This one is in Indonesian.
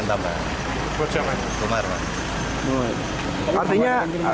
ini tadi agenda nya apa